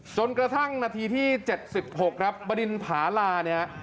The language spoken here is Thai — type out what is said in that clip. จนกระทั่งนาทีที่๗๖ครับบดินผาลาเนี่ย